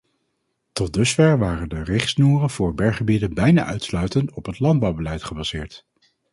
Tot dusver waren de richtsnoeren voor berggebieden bijna uitsluitend op het landbouwbeleid gebaseerd.